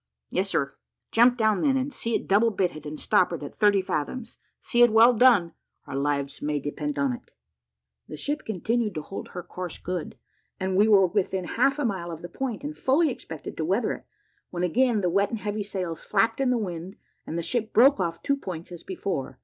"Yes, sir." "Jump down, then, and see it double bitted and stoppered at thirty fathoms. See it well done our lives may depend upon it." The ship continued to hold her course good; and we were within half a mile of the point, and fully expected to weather it, when again the wet and heavy sails flapped in the wind, and the ship broke off two points as before.